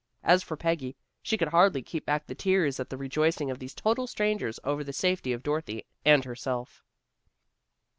As for Peggy, she could hardly keep back the tears at the rejoicing of these total strangers over the safety of Dorothy and herself.